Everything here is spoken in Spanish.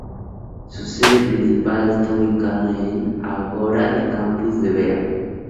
Su sede principal está ubicada en el Ágora del Campus de Vera.